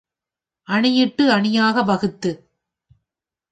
அணியிட்டு அணியாக வகுத்து.